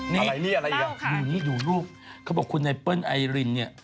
เนี่ยนี่เรามองขานำนี้อยู่รูปเค้าบอกคุณไอ้เปิ้ลไอร์ินนี่